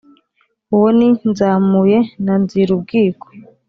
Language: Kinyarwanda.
uwo ni nzamuye na nzirubwiko